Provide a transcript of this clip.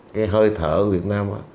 cái hơi thở việt nam